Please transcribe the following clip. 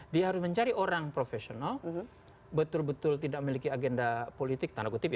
dia harus mencari orang profesional betul betul tidak memiliki agenda politik tanda kutip